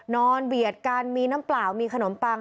เบียดกันมีน้ำเปล่ามีขนมปัง